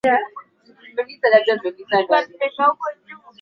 Coronel Barreras alipatikana na makosa katika mahakama moja